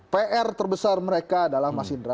pr terbesar mereka adalah mas indra